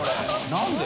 何で？